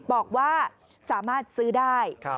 บอกว่าสามารถซื้อได้